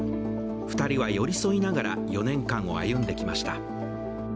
２人は寄り添いながら４年間を歩んできました。